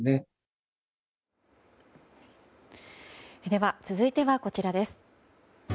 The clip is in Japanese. では続いてはこちらです。